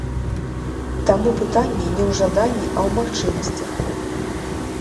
Таму пытанне не ў жаданні, а ў магчымасцях.